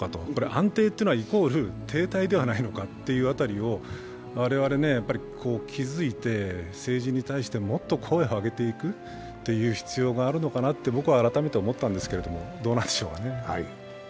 安定というのは、イコール停滞ではないのかと、我々、気づいて、政治に対してもっと声を上げていくという必要があるのかなと僕は改めて思ったんですけど、どうなんでしょうかね。